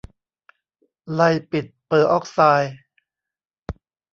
ไลปิดเปอร์อ๊อกไซด์